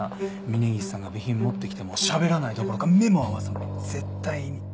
峰岸さんが備品持って来てもしゃべらないどころか目も合わさない絶対に。